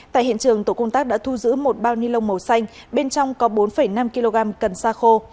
tại hiện trường tổ công tác đã thu giữ một bao ni lông màu xanh bên trong có bốn năm kg cần sa khô